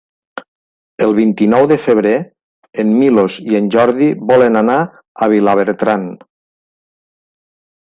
El vint-i-nou de febrer en Milos i en Jordi volen anar a Vilabertran.